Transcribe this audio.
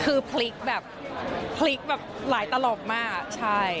คือพลิกแบบพลิกแบบหลายตลกมากใช่